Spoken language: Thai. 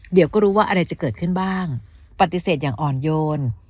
เดี๋ยวก็รู้ว่าอะไรจะเกิดขึ้นบ้างปฏิเสธอย่างอ่อนโยน